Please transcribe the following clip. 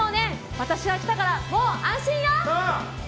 私が来たからもう安心よ！